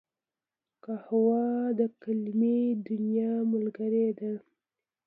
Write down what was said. قهوه د قلمي دنیا ملګرې ده